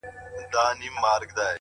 درته دعاوي هر ماښام كومه؛